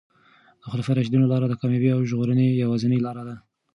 د خلفای راشدینو لاره د کامیابۍ او ژغورنې یوازینۍ لاره ده.